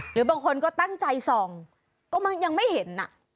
หรือบางคนก็ตั้งใจส่องก็ยังไม่เห็น